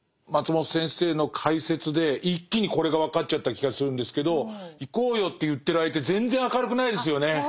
松本先生の解説で一気にこれが分かっちゃった気がするんですけどいこうよと言ってる相手全然明るくないですよね。